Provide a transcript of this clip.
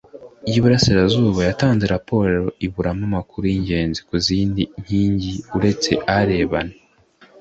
Y iburasirazuba yatanze raporo iburamo amakuru y ingenzi ku zindi nkingi uretse arebana